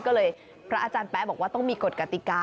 ก็เลยพระอาจารย์แป๊ะบอกว่าต้องมีกฎกติกา